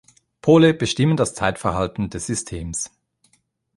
Pole bestimmen das Zeitverhalten des Systems.